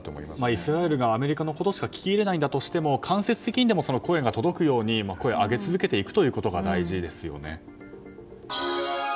イスラエルがアメリカのことしか聞き入れないんだとしても間接的にでも声が届くように声を上げ続けていくことが大事ですね。